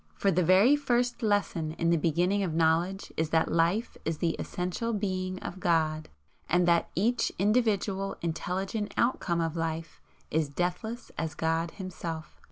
For the very first lesson in the beginning of knowledge is that Life is the essential Being of God, and that each individual intelligent outcome of Life is deathless as God Himself.